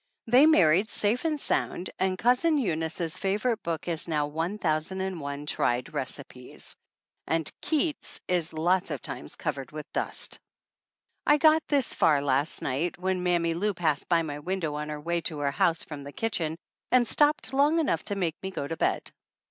They married safe and sound, and Cousin Eunice's favorite book now is 1,001 Tried Recipes. And Keats is lots of times covered with dust. I got this far last night when Mammy Lou passed by my window on her way to her house from the kitchen and stopped long enough to make me go to bed.